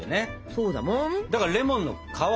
そうだもん！